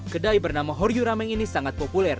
kedai bernama horyu rameng ini sangat populer